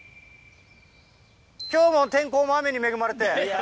きょうも天候も雨に恵まれて。